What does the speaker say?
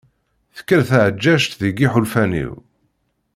Tekker tɛeǧǧaǧǧt deg yiḥulfan-iw.